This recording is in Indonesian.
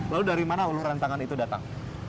lalu dari mana uluh rentangan itu datang